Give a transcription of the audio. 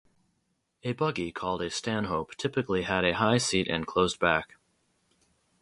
A buggy called a stanhope typically had a high seat and closed back.